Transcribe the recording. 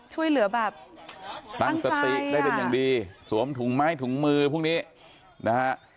ช่วยเหลือแบบตั้งสติได้เป็นอย่างดีสวมถุงไม้ถุงมือพวกนี้นะฮะ